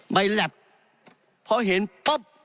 ใบแหลปพอเห็นป๊อบ